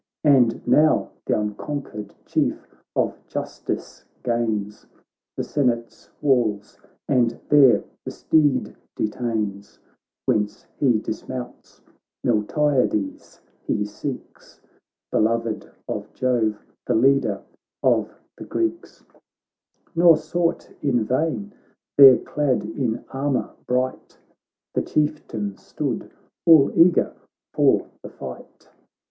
And now th' unconquered Chief of Justice gains The Senate's walls, and there the steed detains, Whence he dismounts — Miltiades he seeks, Beloved of Jove, theleaderof the Greeks : Nor sought in vain ; there clad in armour bright The Chieftain stood, all eager for the fight.